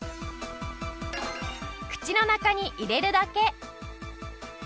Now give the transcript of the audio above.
口の中に入れるだけ！